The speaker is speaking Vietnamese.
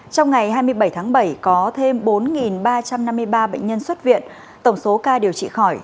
trong ngày hai mươi bảy tháng bảy có thêm bốn ba trăm năm mươi ba bệnh nhân xuất viện tổng số ca điều trị khỏi